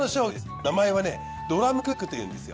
名前はドラムクックっていうんですよ。